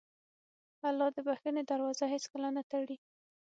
الله د بښنې دروازه هېڅکله نه تړي.